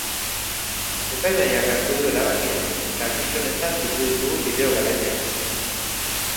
Epaimahaiak hartu du erabakia, eta albiste honetan bildu ditugu bideo garaileak.